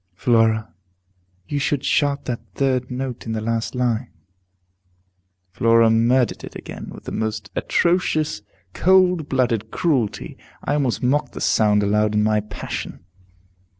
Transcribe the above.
"Flora, you should sharp that third note in the last line." Flora murdered it again, with the most atrocious, cold blooded cruelty. I almost mocked the sound aloud in my passion.